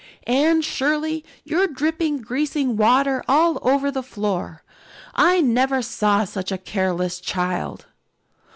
Anne Shirley, you're dripping greasy water all over the floor. I never saw such a careless child."